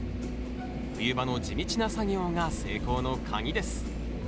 冬場の地道な作業が成功のカギです